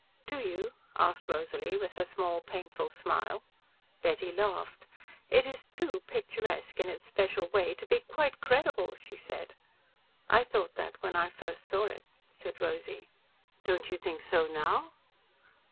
"Do you?" asked Rosalie, with her small, painful smile. Betty laughed. "It is too picturesque, in its special way, to be quite credible," she said. "I thought that when I first saw it," said Rosy. "Don't you think so, now?"